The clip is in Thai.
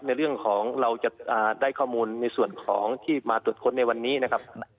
ในเรื่องของเราจะได้ข้อมูลในส่วนของที่มาตรวจค้นในวันนี้นะครับ